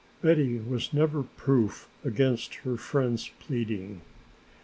Betty was never proof against her friend's pleading.